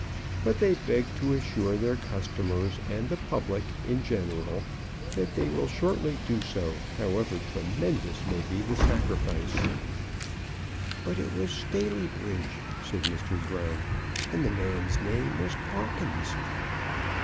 But they beg to assure their customers and the public in general that they will shortly do so, however tremendous may be the sacrifice. "But it was Staleybridge," said Mr. Brown, "and the man's name was Pawkins."